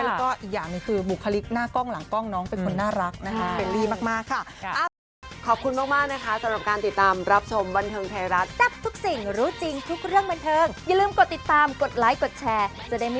แล้วก็อีกอย่างหนึ่งคือบุคลิกหน้ากล้องหลังกล้องน้องเป็นคนน่ารักนะคะเบลลี่มากค่ะ